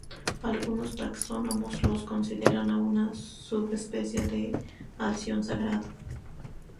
Algunos taxónomos lo consideran una subespecie de alción sagrado.